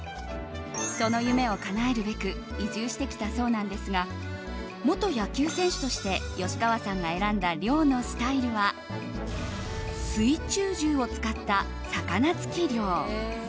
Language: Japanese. その夢をかなえるべく移住してきたそうなんですが元野球選手として吉川さんが選んだ漁のスタイルは水中銃を使った魚突き漁。